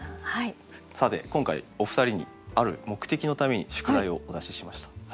さて今回お二人にある目的のために宿題をお出ししました。